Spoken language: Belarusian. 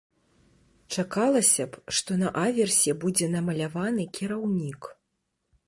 Чакалася б, што на аверсе будзе намаляваны кіраўнік.